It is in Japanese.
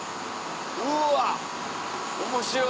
うわ！